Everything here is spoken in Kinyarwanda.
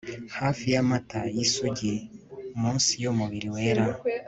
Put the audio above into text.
Hafi yamata yisugi munsi yumubiri wera